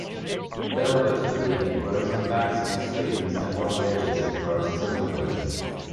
Velvet hovea grows on banks near streams and rocky ledges in forests and woodland.